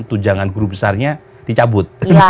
tunjangan guru besarnya dicabut